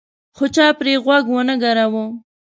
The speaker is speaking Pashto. خو چا پرې غوږ ونه ګراوه.